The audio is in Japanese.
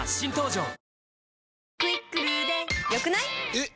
えっ！